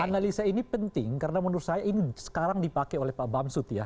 analisa ini penting karena menurut saya ini sekarang dipakai oleh pak bamsud ya